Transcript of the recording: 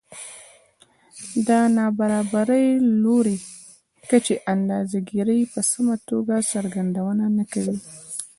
د نابرابرۍ لوړې کچې اندازه ګيرۍ په سمه توګه څرګندونه نه کوي